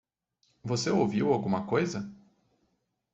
Você ouviu alguma coisa?